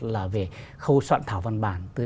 là về khâu soạn thảo văn bản